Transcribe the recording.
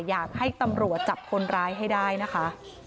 อยากให้ตำรวจจับคนร้ายให้ได้นะคะ